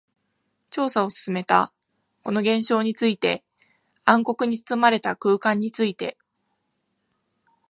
調査を進めた。この事象について、暗黒に包まれた空間について。